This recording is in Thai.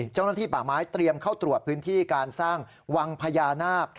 เจ้าหน้าที่ป่าไม้เตรียมเข้าตรวจพื้นที่การสร้างวังพญานาค